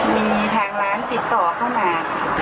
มีทางร้านติดต่อเข้ามา